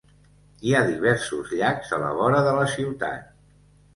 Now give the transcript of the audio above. Hi ha diversos llacs a la vora de la ciutat.